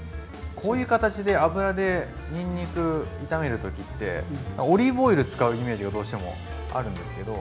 こういう形で油でにんにく炒める時ってオリーブオイル使うイメージがどうしてもあるんですけど。